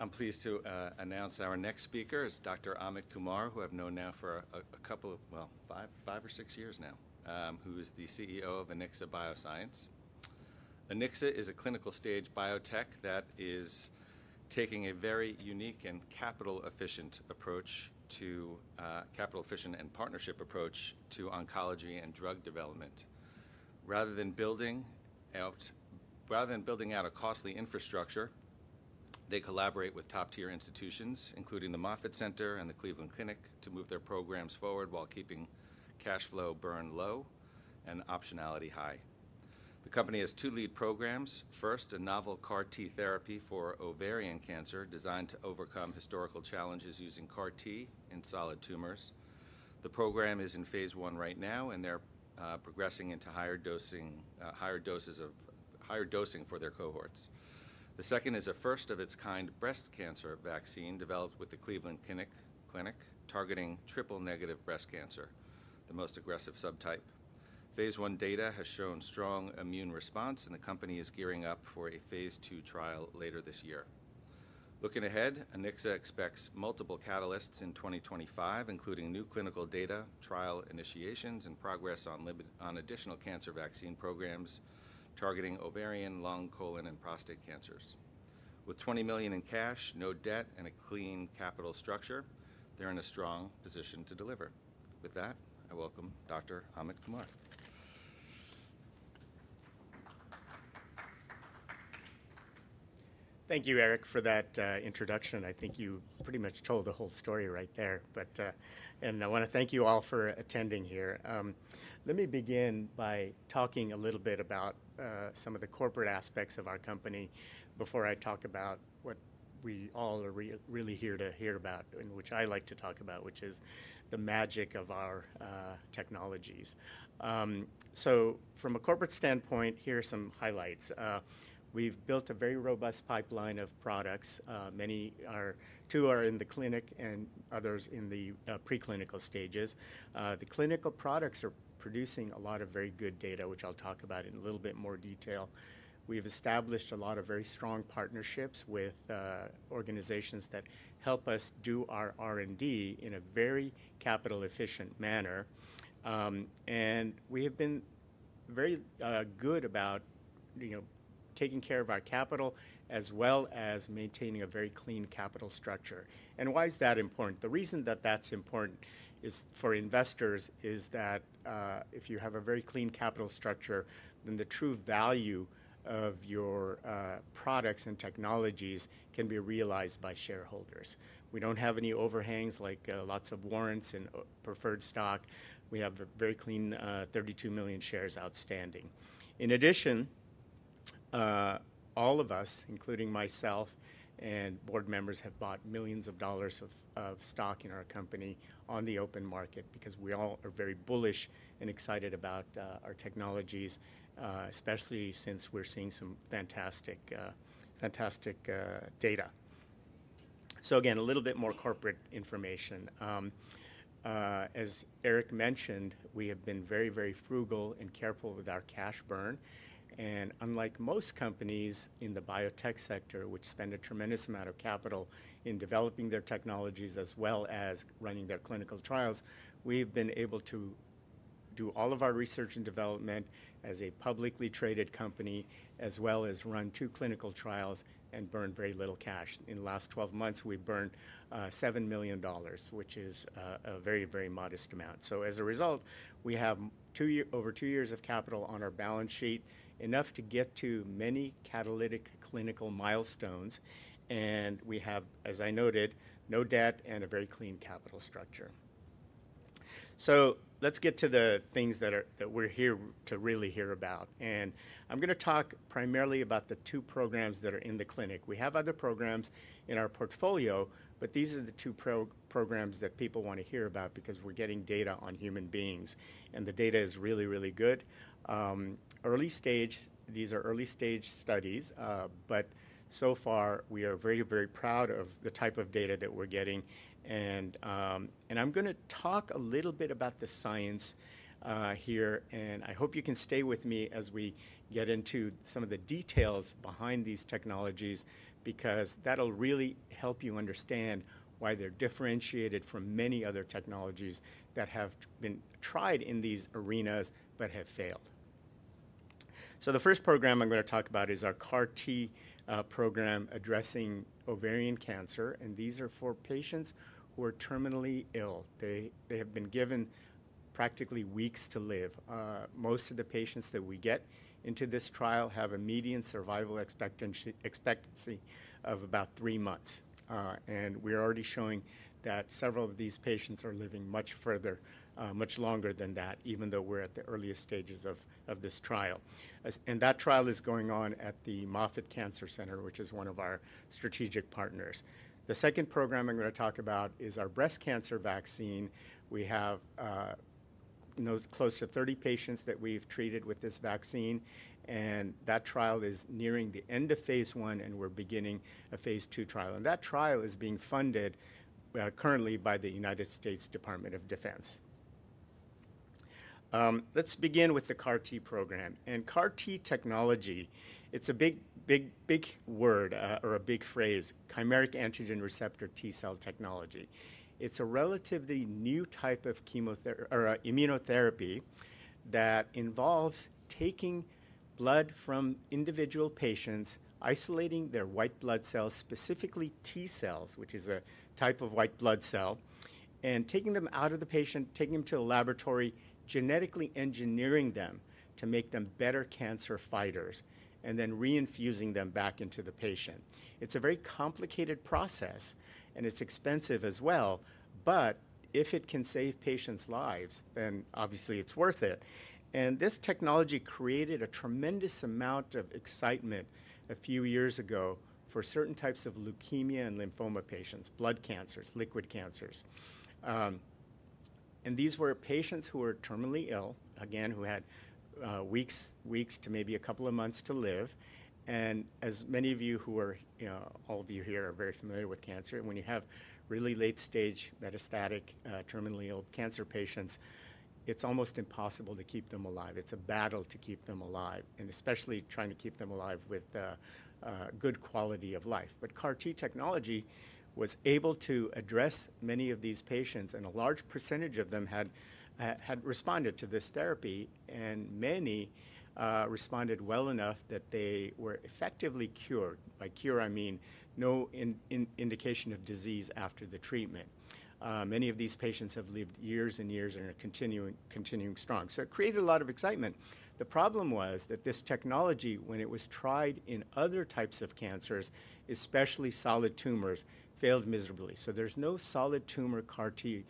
I'm pleased to announce our next speaker is Dr. Amit Kumar, who I've known now for a couple of, well, five or six years now, who is the CEO of Anixa Biosciences. Anixa is a clinical stage biotech that is taking a very unique and capital-efficient approach to, capital-efficient and partnership approach to oncology and drug development. Rather than building out, rather than building out a costly infrastructure, they collaborate with top-tier institutions, including the Moffitt Cancer Center and the Cleveland Clinic, to move their programs forward while keeping cash flow burn low and optionality high. The company has two lead programs. First, a novel CAR-T therapy for ovarian cancer designed to overcome historical challenges using CAR-T in solid tumors. The program is in phase one right now, and they're progressing into higher dosing, higher doses of, higher dosing for their cohorts. The second is a first-of-its-kind breast cancer vaccine developed with the Cleveland Clinic, targeting triple-negative breast cancer, the most aggressive subtype. Phase one data has shown strong immune response, and the company is gearing up for a phase two trial later this year. Looking ahead, Anixa expects multiple catalysts in 2025, including new clinical data, trial initiations, and progress on additional cancer vaccine programs targeting ovarian, lung, colon, and prostate cancers. With $20 million in cash, no debt, and a clean capital structure, they're in a strong position to deliver. With that, I welcome Dr. Amit Kumar. Thank you, Eric, for that introduction. I think you pretty much told the whole story right there, and I want to thank you all for attending here. Let me begin by talking a little bit about some of the corporate aspects of our company before I talk about what we all are really here to hear about, and which I like to talk about, which is the magic of our technologies. From a corporate standpoint, here are some highlights. We've built a very robust pipeline of products. Many are, two are in the clinic and others in the preclinical stages. The clinical products are producing a lot of very good data, which I'll talk about in a little bit more detail. We've established a lot of very strong partnerships with organizations that help us do our R&D in a very capital-efficient manner. We have been very good about, you know, taking care of our capital as well as maintaining a very clean capital structure. Why is that important? The reason that that's important for investors is that if you have a very clean capital structure, then the true value of your products and technologies can be realized by shareholders. We do not have any overhangs like lots of warrants and preferred stock. We have a very clean 32 million shares outstanding. In addition, all of us, including myself and board members, have bought millions of dollars of stock in our company on the open market because we all are very bullish and excited about our technologies, especially since we are seeing some fantastic, fantastic data. A little bit more corporate information. As Eric mentioned, we have been very, very frugal and careful with our cash burn. Unlike most companies in the biotech sector, which spend a tremendous amount of capital in developing their technologies as well as running their clinical trials, we've been able to do all of our research and development as a publicly traded company, as well as run two clinical trials and burn very little cash. In the last 12 months, we've burned $7 million, which is a very, very modest amount. As a result, we have over two years of capital on our balance sheet, enough to get to many catalytic clinical milestones. We have, as I noted, no debt and a very clean capital structure. Let's get to the things that we're here to really hear about. I'm going to talk primarily about the two programs that are in the clinic. We have other programs in our portfolio, but these are the two programs that people want to hear about because we're getting data on human beings. The data is really, really good. Early stage, these are early stage studies, but so far we are very, very proud of the type of data that we're getting. I'm going to talk a little bit about the science here, and I hope you can stay with me as we get into some of the details behind these technologies because that'll really help you understand why they're differentiated from many other technologies that have been tried in these arenas but have failed. The first program I'm going to talk about is our CAR-T program addressing ovarian cancer. These are for patients who are terminally ill. They have been given practically weeks to live. Most of the patients that we get into this trial have a median survival expectancy of about three months. We are already showing that several of these patients are living much further, much longer than that, even though we are at the earliest stages of this trial. That trial is going on at the Moffitt Cancer Center, which is one of our strategic partners. The second program I am going to talk about is our breast cancer vaccine. We have close to 30 patients that we have treated with this vaccine. That trial is nearing the end of phase one, and we are beginning a phase two trial. That trial is being funded currently by the United States Department of Defense. Let's begin with the CAR-T program. CAR-T technology, it is a big, big, big word or a big phrase, chimeric antigen receptor T cell technology. It's a relatively new type of chemotherapy or immunotherapy that involves taking blood from individual patients, isolating their white blood cells, specifically T cells, which is a type of white blood cell, and taking them out of the patient, taking them to a laboratory, genetically engineering them to make them better cancer fighters, and then reinfusing them back into the patient. It's a very complicated process, and it's expensive as well. If it can save patients' lives, then obviously it's worth it. This technology created a tremendous amount of excitement a few years ago for certain types of leukemia and lymphoma patients, blood cancers, liquid cancers. These were patients who were terminally ill, again, who had weeks, weeks to maybe a couple of months to live. As many of you who are, you know, all of you here are very familiar with cancer. When you have really late stage metastatic, terminally ill cancer patients, it's almost impossible to keep them alive. It's a battle to keep them alive, and especially trying to keep them alive with good quality of life. CAR-T technology was able to address many of these patients, and a large percentage of them had responded to this therapy. Many responded well enough that they were effectively cured. By cure, I mean no indication of disease after the treatment. Many of these patients have lived years and years and are continuing, continuing strong. It created a lot of excitement. The problem was that this technology, when it was tried in other types of cancers, especially solid tumors, failed miserably. There is no solid tumor CAR-T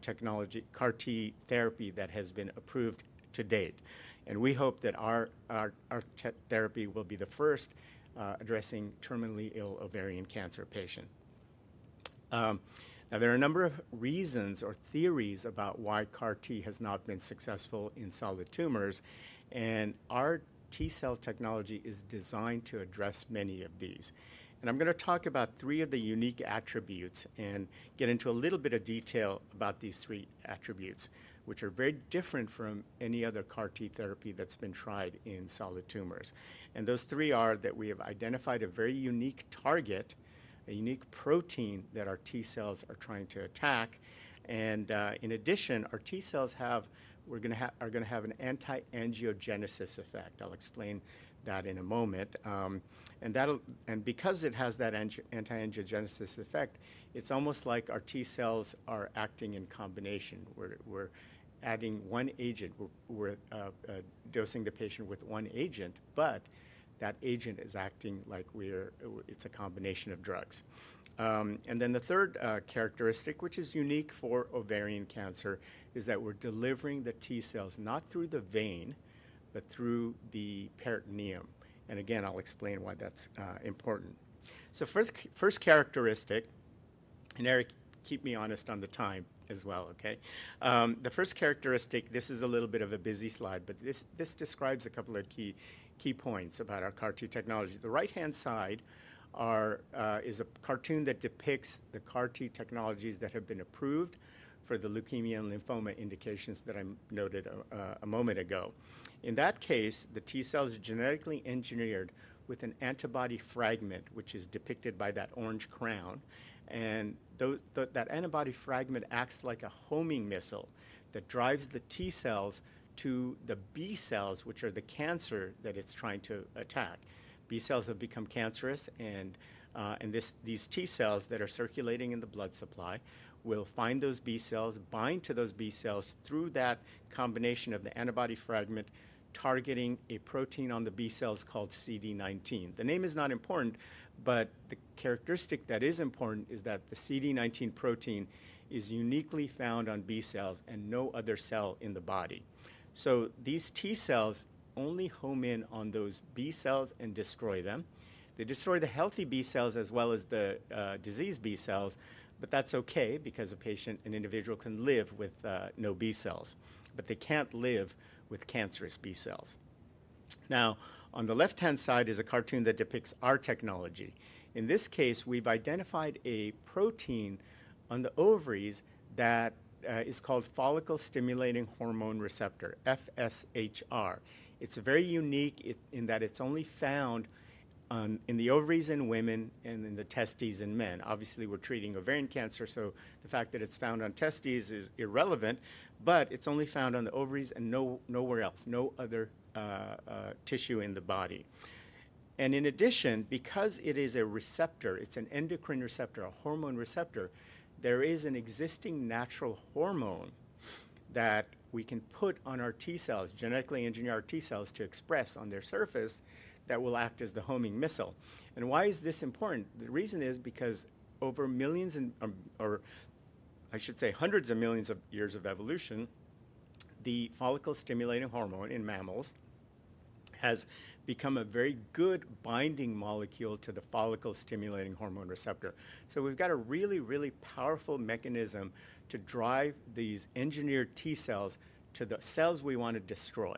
technology, CAR-T therapy that has been approved to date. We hope that our therapy will be the first addressing terminally ill ovarian cancer patients. There are a number of reasons or theories about why CAR-T has not been successful in solid tumors. Our T cell technology is designed to address many of these. I'm going to talk about three of the unique attributes and get into a little bit of detail about these three attributes, which are very different from any other CAR-T therapy that's been tried in solid tumors. Those three are that we have identified a very unique target, a unique protein that our T cells are trying to attack. In addition, our T cells have, we're going to have, are going to have an anti-angiogenesis effect. I'll explain that in a moment. That'll, and because it has that anti-angiogenesis effect, it's almost like our T cells are acting in combination. We're adding one agent, we're dosing the patient with one agent, but that agent is acting like we are, it's a combination of drugs. The third characteristic, which is unique for ovarian cancer, is that we're delivering the T cells not through the vein, but through the peritoneum. Again, I'll explain why that's important. First characteristic, and Eric, keep me honest on the time as well, okay? The first characteristic, this is a little bit of a busy slide, but this describes a couple of key points about our CAR-T technology. The right-hand side is a cartoon that depicts the CAR-T technologies that have been approved for the leukemia and lymphoma indications that I noted a moment ago. In that case, the T cells are genetically engineered with an antibody fragment, which is depicted by that orange crown. That antibody fragment acts like a homing missile that drives the T cells to the B cells, which are the cancer that it's trying to attack. B cells have become cancerous, and these T cells that are circulating in the blood supply will find those B cells, bind to those B cells through that combination of the antibody fragment, targeting a protein on the B cells called CD19. The name is not important, but the characteristic that is important is that the CD19 protein is uniquely found on B cells and no other cell in the body. These T cells only home in on those B cells and destroy them. They destroy the healthy B cells as well as the diseased B cells, but that's okay because a patient, an individual can live with no B cells, but they can't live with cancerous B cells. Now, on the left-hand side is a cartoon that depicts our technology. In this case, we've identified a protein on the ovaries that is called follicle-stimulating hormone receptor, FSHR. It's very unique in that it's only found in the ovaries in women and in the testes in men. Obviously, we're treating ovarian cancer, so the fact that it's found on testes is irrelevant, but it's only found on the ovaries and nowhere else, no other tissue in the body. In addition, because it is a receptor, it's an endocrine receptor, a hormone receptor, there is an existing natural hormone that we can put on our T cells, genetically engineer our T cells to express on their surface that will act as the homing missile. Why is this important? The reason is because over millions and, or I should say hundreds of millions of years of evolution, the follicle stimulating hormone in mammals has become a very good binding molecule to the follicle-stimulating hormone receptor. We have a really, really powerful mechanism to drive these engineered T cells to the cells we want to destroy.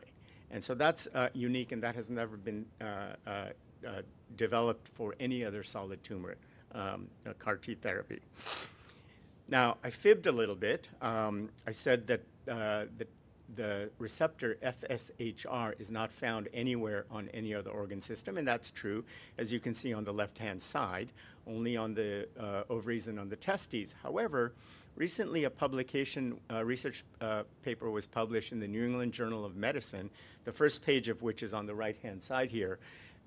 That is unique and that has never been developed for any other solid tumor, CAR-T therapy. Now, I fibbed a little bit. I said that the receptor FSHR is not found anywhere on any other organ system, and that's true, as you can see on the left-hand side, only on the ovaries and on the testes. However, recently a publication, a research paper was published in the New England Journal of Medicine, the first page of which is on the right-hand side here,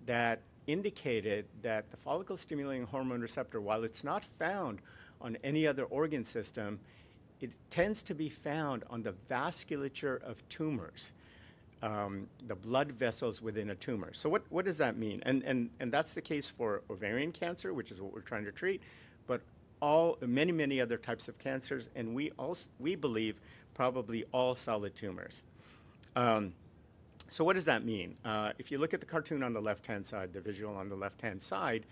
that indicated that the follicle-stimulating hormone receptor, while it's not found on any other organ system, it tends to be found on the vasculature of tumors, the blood vessels within a tumor. What does that mean? That's the case for ovarian cancer, which is what we're trying to treat, but all many, many other types of cancers, and we believe probably all solid tumors. What does that mean? If you look at the cartoon on the left-hand side, the visual on the left-hand side,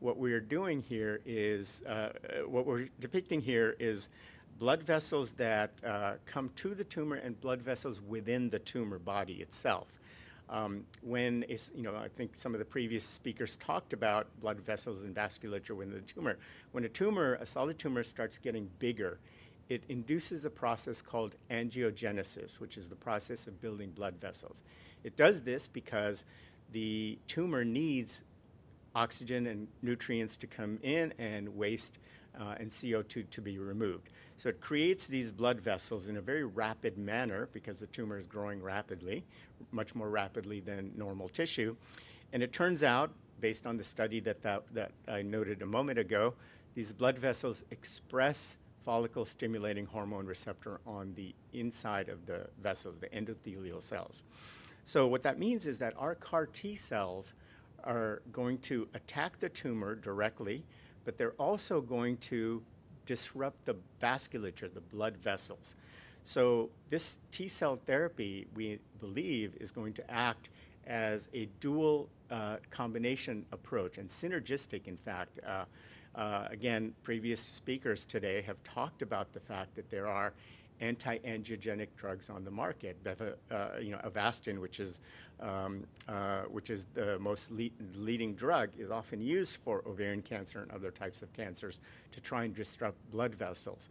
what we're doing here is, what we're depicting here is blood vessels that come to the tumor and blood vessels within the tumor body itself. When it's, you know, I think some of the previous speakers talked about blood vessels and vasculature within the tumor. When a tumor, a solid tumor starts getting bigger, it induces a process called angiogenesis, which is the process of building blood vessels. It does this because the tumor needs oxygen and nutrients to come in and waste and CO2 to be removed. It creates these blood vessels in a very rapid manner because the tumor is growing rapidly, much more rapidly than normal tissue. It turns out, based on the study that I noted a moment ago, these blood vessels express follicle stimulating hormone receptor on the inside of the vessels, the endothelial cells. What that means is that our CAR-T cells are going to attack the tumor directly, but they are also going to disrupt the vasculature, the blood vessels. This T cell therapy, we believe, is going to act as a dual combination approach and synergistic, in fact. Previous speakers today have talked about the fact that there are anti-angiogenic drugs on the market. Avastin, which is the most leading drug, is often used for ovarian cancer and other types of cancers to try and disrupt blood vessels.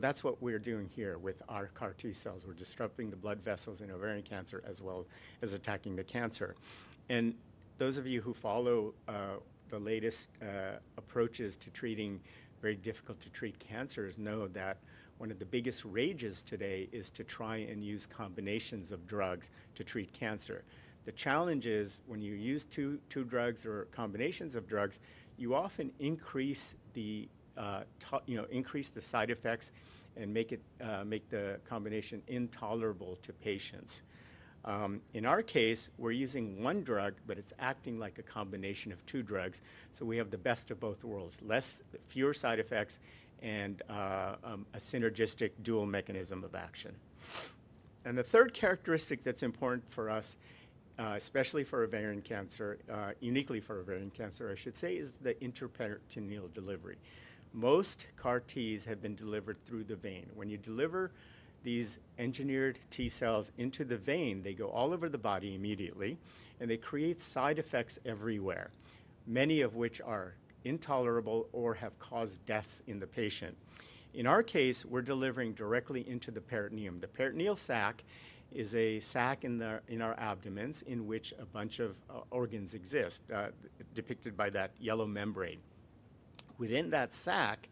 That is what we are doing here with our CAR-T cells. We are disrupting the blood vessels in ovarian cancer as well as attacking the cancer. Those of you who follow the latest approaches to treating very difficult to treat cancers know that one of the biggest rages today is to try and use combinations of drugs to treat cancer. The challenge is when you use two drugs or combinations of drugs, you often increase the, you know, increase the side effects and make the combination intolerable to patients. In our case, we're using one drug, but it's acting like a combination of two drugs. We have the best of both worlds, fewer side effects and a synergistic dual mechanism of action. The third characteristic that's important for us, especially for ovarian cancer, uniquely for ovarian cancer, I should say, is the intraperitoneal delivery. Most CAR-Ts have been delivered through the vein. When you deliver these engineered T cells into the vein, they go all over the body immediately, and they create side effects everywhere, many of which are intolerable or have caused deaths in the patient. In our case, we're delivering directly into the peritoneum. The peritoneal sac is a sac in our abdomens in which a bunch of organs exist, depicted by that yellow membrane. Within that sac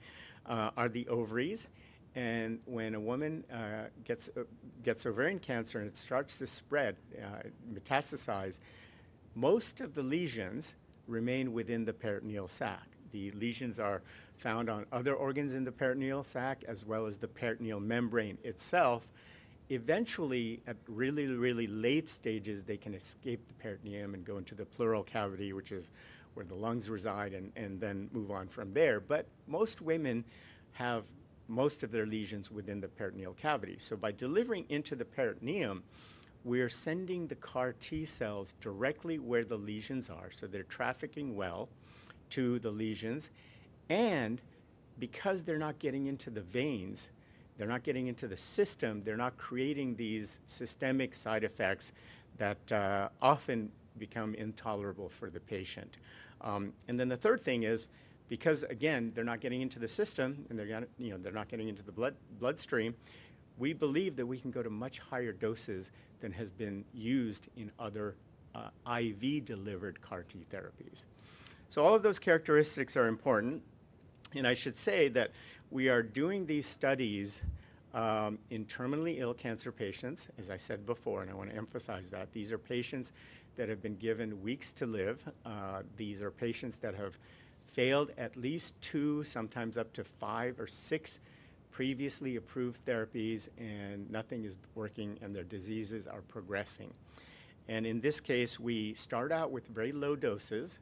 are the ovaries. When a woman gets ovarian cancer and it starts to spread, metastasize, most of the lesions remain within the peritoneal sac. The lesions are found on other organs in the peritoneal sac as well as the peritoneal membrane itself. Eventually, at really, really late stages, they can escape the peritoneum and go into the pleural cavity, which is where the lungs reside, and then move on from there. Most women have most of their lesions within the peritoneal cavity. By delivering into the peritoneum, we're sending the CAR T cells directly where the lesions are. They're trafficking well to the lesions. Because they're not getting into the veins, they're not getting into the system, they're not creating these systemic side effects that often become intolerable for the patient. The third thing is, because again, they're not getting into the system and they're gonna, you know, they're not getting into the bloodstream, we believe that we can go to much higher doses than has been used in other IV-delivered CAR T therapies. All of those characteristics are important. I should say that we are doing these studies in terminally ill cancer patients, as I said before, and I want to emphasize that these are patients that have been given weeks to live. These are patients that have failed at least two, sometimes up to five or six previously approved therapies, and nothing is working and their diseases are progressing. In this case, we start out with very low doses,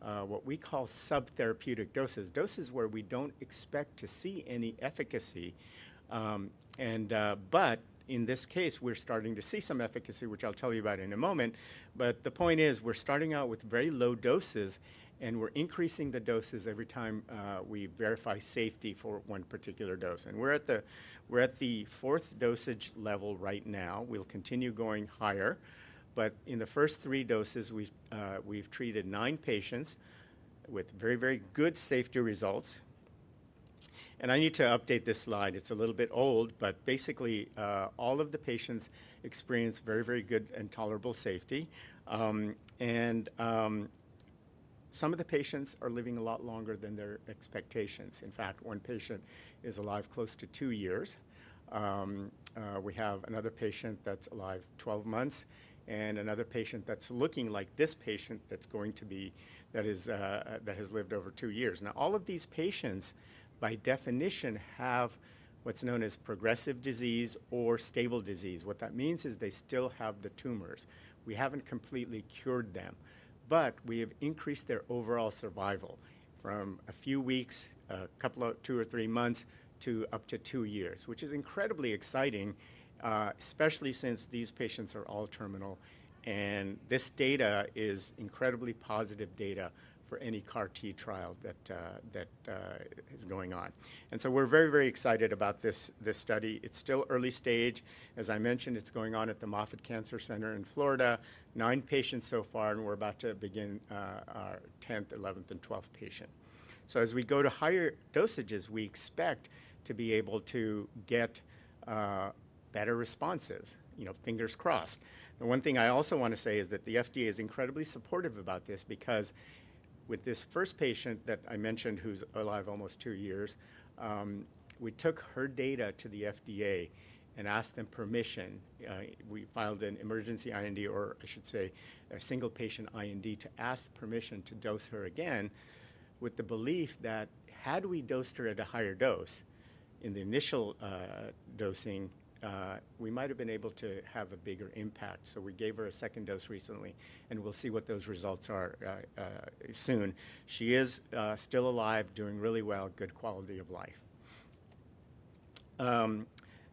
what we call subtherapeutic doses, doses where we do not expect to see any efficacy. In this case, we are starting to see some efficacy, which I will tell you about in a moment. The point is we are starting out with very low doses and we are increasing the doses every time we verify safety for one particular dose. We are at the fourth dosage level right now. We will continue going higher. In the first three doses, we've treated nine patients with very, very good safety results. I need to update this slide. It's a little bit old, but basically all of the patients experience very, very good and tolerable safety. Some of the patients are living a lot longer than their expectations. In fact, one patient is alive close to two years. We have another patient that's alive 12 months and another patient that's looking like this patient that's going to be, that has lived over two years. Now, all of these patients, by definition, have what's known as progressive disease or stable disease. What that means is they still have the tumors. We have not completely cured them, but we have increased their overall survival from a few weeks, a couple of, two or three months to up to two years, which is incredibly exciting, especially since these patients are all terminal. This data is incredibly positive data for any CAR-T trial that is going on. We are very, very excited about this study. It is still early stage. As I mentioned, it is going on at the Moffitt Cancer Center in Florida, nine patients so far, and we are about to begin our 10th, 11th, and 12th patient. As we go to higher dosages, we expect to be able to get better responses, you know, fingers crossed. The one thing I also want to say is that the FDA is incredibly supportive about this because with this first patient that I mentioned who's alive almost two years, we took her data to the FDA and asked them permission. We filed an emergency IND, or I should say a single patient IND, to ask permission to dose her again with the belief that had we dosed her at a higher dose in the initial dosing, we might have been able to have a bigger impact. We gave her a second dose recently, and we'll see what those results are soon. She is still alive, doing really well, good quality of life.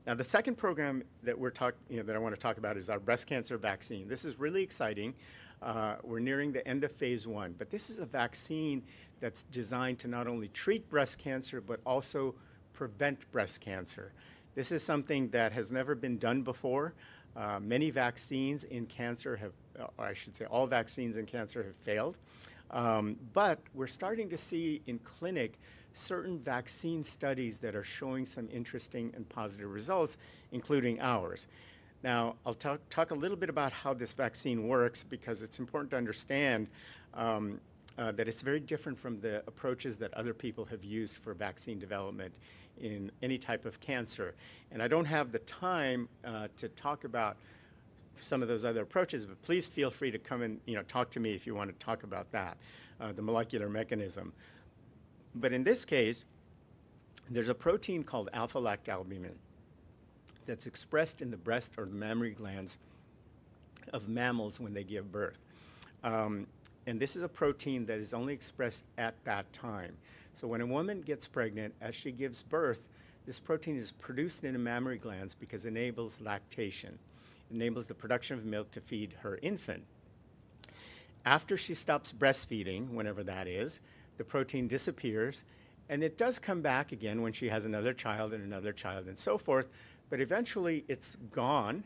Now, the second program that we're talking, you know, that I want to talk about is our breast cancer vaccine. This is really exciting. We're nearing the end of phase one, but this is a vaccine that's designed to not only treat breast cancer, but also prevent breast cancer. This is something that has never been done before. Many vaccines in cancer have, or I should say all vaccines in cancer have failed. We're starting to see in clinic certain vaccine studies that are showing some interesting and positive results, including ours. Now, I'll talk a little bit about how this vaccine works because it's important to understand that it's very different from the approaches that other people have used for vaccine development in any type of cancer. I don't have the time to talk about some of those other approaches, but please feel free to come and, you know, talk to me if you want to talk about that, the molecular mechanism. In this case, there's a protein called alpha-lactalbumin that's expressed in the breast or the mammary glands of mammals when they give birth. This is a protein that is only expressed at that time. When a woman gets pregnant, as she gives birth, this protein is produced in the mammary glands because it enables lactation, enables the production of milk to feed her infant. After she stops breastfeeding, whenever that is, the protein disappears and it does come back again when she has another child and another child and so forth, but eventually it's gone.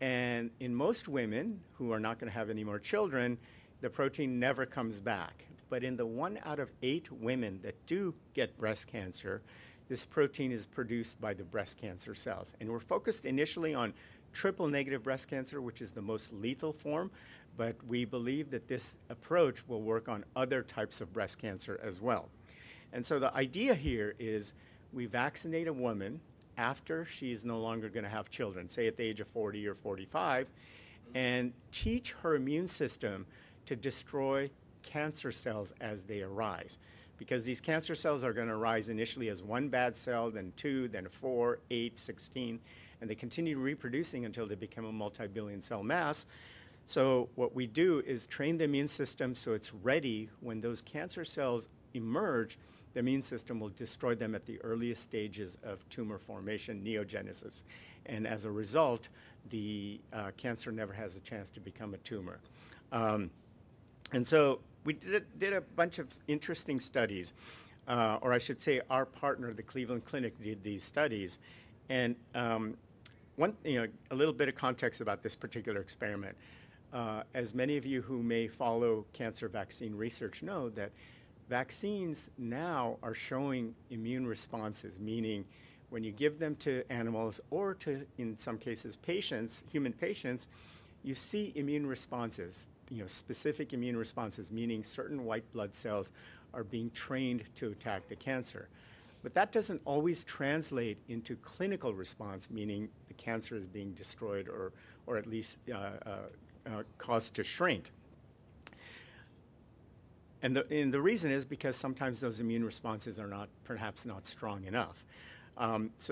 In most women who are not going to have any more children, the protein never comes back. In the one out of eight women that do get breast cancer, this protein is produced by the breast cancer cells. We're focused initially on triple-negative breast cancer, which is the most lethal form, but we believe that this approach will work on other types of breast cancer as well. The idea here is we vaccinate a woman after she's no longer going to have children, say at the age of 40 or 45, and teach her immune system to destroy cancer cells as they arise. These cancer cells are going to arise initially as one bad cell, then two, then four, eight, sixteen, and they continue reproducing until they become a multibillion cell mass. What we do is train the immune system so it's ready when those cancer cells emerge. The immune system will destroy them at the earliest stages of tumor formation, neogenesis. As a result, the cancer never has a chance to become a tumor. We did a bunch of interesting studies, or I should say our partner, the Cleveland Clinic, did these studies. One, you know, a little bit of context about this particular experiment. As many of you who may follow cancer vaccine research know, vaccines now are showing immune responses, meaning when you give them to animals or to, in some cases, patients, human patients, you see immune responses, you know, specific immune responses, meaning certain white blood cells are being trained to attack the cancer. That does not always translate into clinical response, meaning the cancer is being destroyed or at least caused to shrink. The reason is because sometimes those immune responses are not, perhaps not strong enough.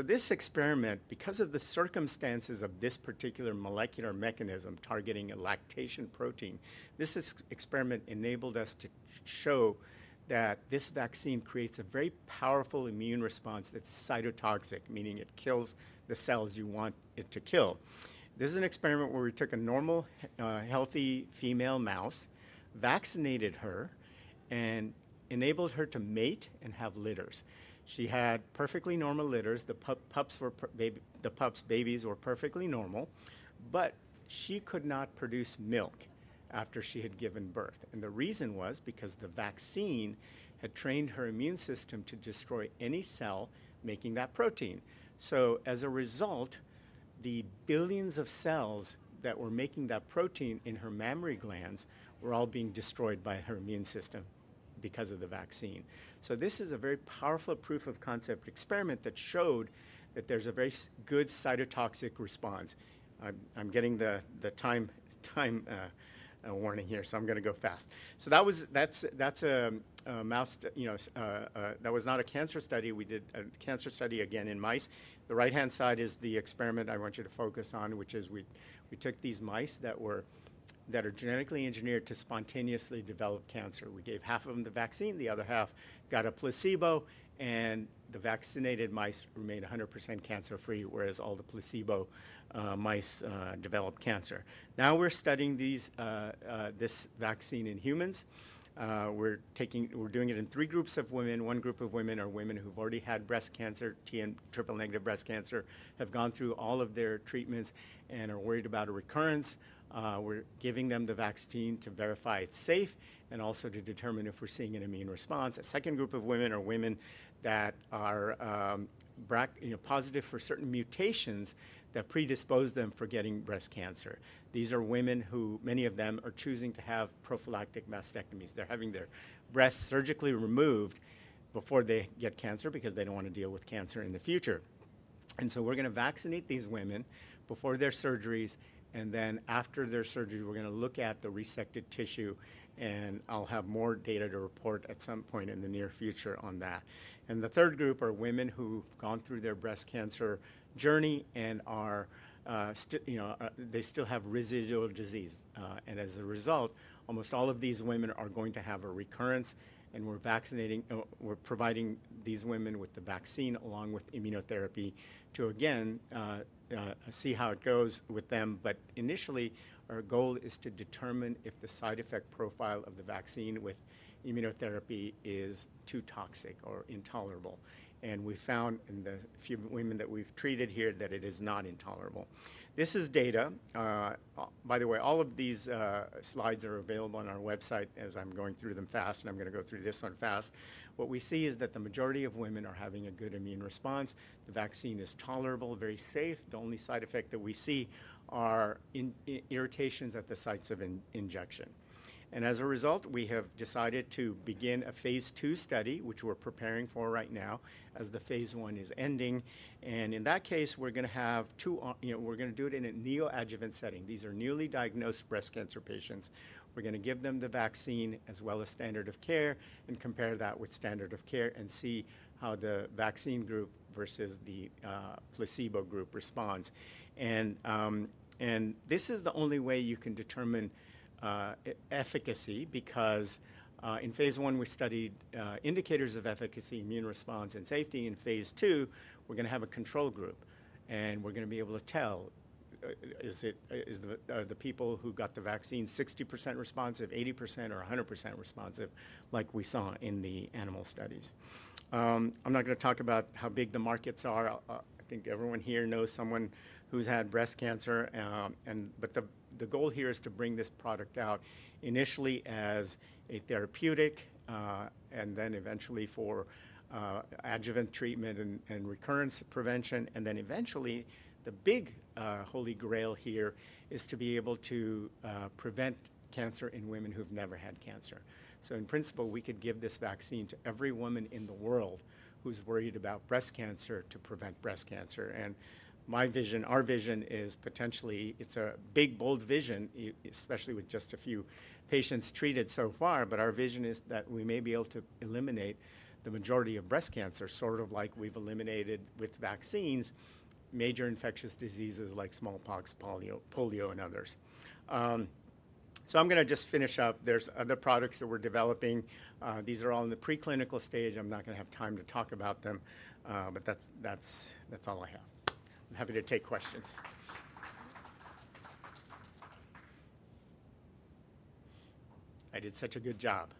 This experiment, because of the circumstances of this particular molecular mechanism targeting a lactation protein, enabled us to show that this vaccine creates a very powerful immune response that's cytotoxic, meaning it kills the cells you want it to kill. This is an experiment where we took a normal, healthy female mouse, vaccinated her, and enabled her to mate and have litters. She had perfectly normal litters. The pups were babies, the pups' babies were perfectly normal, but she could not produce milk after she had given birth. The reason was because the vaccine had trained her immune system to destroy any cell making that protein. As a result, the billions of cells that were making that protein in her mammary glands were all being destroyed by her immune system because of the vaccine. This is a very powerful proof of concept experiment that showed that there's a very good cytotoxic response. I'm getting the time warning here, so I'm going to go fast. That was a mouse, you know, that was not a cancer study. We did a cancer study again in mice. The right-hand side is the experiment I want you to focus on, which is we took these mice that are genetically engineered to spontaneously develop cancer. We gave half of them the vaccine, the other half got a placebo, and the vaccinated mice remained 100% cancer-free, whereas all the placebo mice developed cancer. Now we're studying this vaccine in humans. We're doing it in three groups of women. One group of women are women who've already had breast cancer, triple-negative breast cancer, have gone through all of their treatments and are worried about a recurrence. We're giving them the vaccine to verify it's safe and also to determine if we're seeing an immune response. A second group of women are women that are, you know, positive for certain mutations that predispose them for getting breast cancer. These are women who, many of them are choosing to have prophylactic mastectomies. They're having their breasts surgically removed before they get cancer because they don't want to deal with cancer in the future. We're going to vaccinate these women before their surgeries, and after their surgery, we're going to look at the resected tissue, and I'll have more data to report at some point in the near future on that. The third group are women who've gone through their breast cancer journey and are, you know, they still have residual disease. As a result, almost all of these women are going to have a recurrence, and we're vaccinating, we're providing these women with the vaccine along with immunotherapy to again see how it goes with them. Initially, our goal is to determine if the side effect profile of the vaccine with immunotherapy is too toxic or intolerable. We found in the few women that we've treated here that it is not intolerable. This is data. By the way, all of these slides are available on our website as I'm going through them fast, and I'm going to go through this one fast. What we see is that the majority of women are having a good immune response. The vaccine is tolerable, very safe. The only side effect that we see are irritations at the sites of injection. As a result, we have decided to begin a phase two study, which we're preparing for right now as the phase one is ending. In that case, we're going to have two, you know, we're going to do it in a neoadjuvant setting. These are newly diagnosed breast cancer patients. We're going to give them the vaccine as well as standard of care and compare that with standard of care and see how the vaccine group versus the placebo group responds. This is the only way you can determine efficacy because in phase one, we studied indicators of efficacy, immune response, and safety. In phase two, we're going to have a control group, and we're going to be able to tell is it, are the people who got the vaccine 60% responsive, 80%, or 100% responsive like we saw in the animal studies. I'm not going to talk about how big the markets are. I think everyone here knows someone who's had breast cancer. The goal here is to bring this product out initially as a therapeutic and then eventually for adjuvant treatment and recurrence prevention. Eventually, the big holy grail here is to be able to prevent cancer in women who've never had cancer. In principle, we could give this vaccine to every woman in the world who's worried about breast cancer to prevent breast cancer. My vision, our vision is potentially, it's a big, bold vision, especially with just a few patients treated so far, but our vision is that we may be able to eliminate the majority of breast cancer, sort of like we've eliminated with vaccines, major infectious diseases like smallpox, polio, and others. I'm going to just finish up. There are other products that we're developing. These are all in the preclinical stage. I'm not going to have time to talk about them, but that's all I have. I'm happy to take questions. I did such a good job.